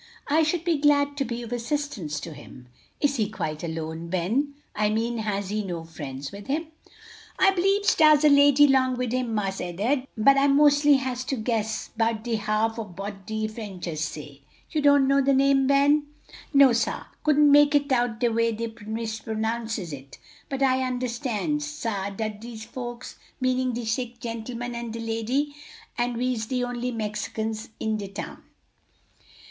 "I should be glad to be of assistance to him. Is he quite alone, Ben? I mean has he no friends with him?" "I b'lieves dar's a lady long wid him, Marse Ed'ard, but I mos'ly has to guess 'bout de half ob what dese Frenchers say." "You don't know the name, Ben?" "No, sah, couldn't make it out de way dey dispronounces it. But I understands, sah, dat dese folks meanin' de sick gentleman and de lady and we's de only 'Mericans in de town."